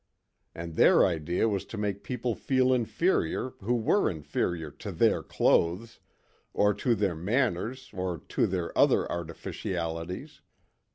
And their idea was to make people feel inferior who were inferior to their clothes or to their manners or to their other artificialities.